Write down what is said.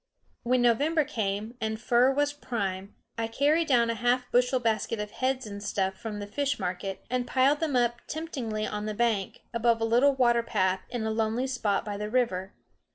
When November came, and fur was prime, I carried down a half bushel basket of heads and stuff from the fish market, and piled them up temptingly on the bank, above a little water path, in a lonely spot by the river.